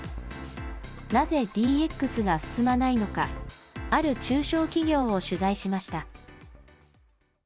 なぜＤＸが進まないのかある中小企業を取材しました。